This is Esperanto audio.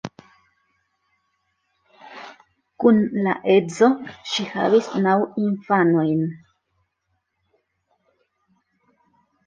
Kun la edzo ŝi havis naŭ infanojn.